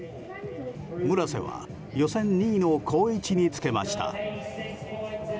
村瀬は予選２位の好位置につけました。